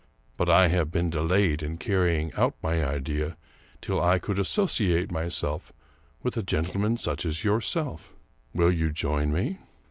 But I have been delayed in carrying out my idea till I could associate myself with a gentleman such as yourself. Will you join me?